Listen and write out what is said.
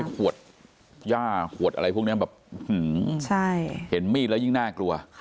ขวดย่าขวดอะไรพวกนี้แบบเห็นมีดแล้วยิ่งน่ากลัว